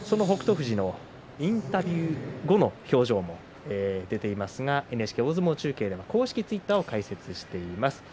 富士のインタビュー後の表情も出ていますがＮＨＫ大相撲中継では公式ツイッターを開設しています。